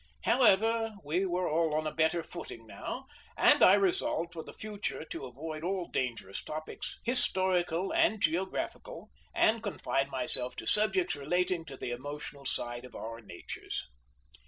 However, we were all on a better footing now; and I resolved for the future to avoid all dangerous topics, historical and geographical, and confine myself to subjects relating to the emotional side of our natures.